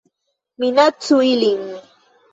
Minacu ilin